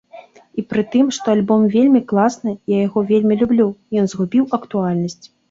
І пры тым, што альбом вельмі класны, я яго вельмі люблю, ён згубіў актуальнасць.